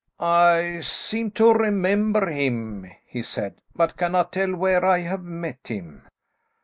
"I seem to remember him," he said, "but cannot tell where I have met him."